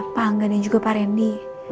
pak angga dan juga pak rendy